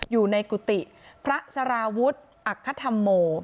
อยู่ในกุฏิพระสารวุฒิอักษธรรมโม